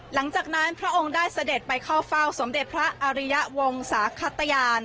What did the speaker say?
หลังจากนั้นพระองค์ได้เสด็จไปเข้าเฝ้าสมเด็จพระอริยะวงศาขตยาน